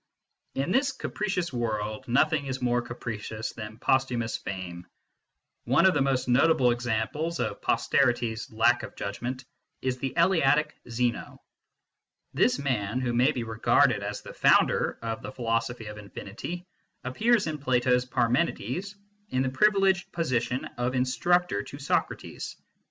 In this capricious world, nothing is more capricious than posthumous fame. One of the most notable examples of posterity s lack of judgment is the Eleatic Zeno. This man, who may be regarded as the founder of the philo sophy of infinity, appears in Plato s Parmenides in the privileged position of instructor to Socrates.